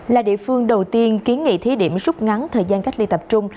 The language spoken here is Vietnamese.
là địa phương đầu tiên kiến nghị thí điểm rút ngắn thời gian cách ly tập trung